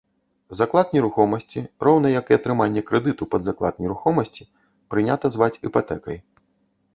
Заклад нерухомасці, роўна як і атрыманне крэдыту пад заклад нерухомасці, прынята зваць іпатэкай.